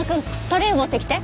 トレーを持ってきて。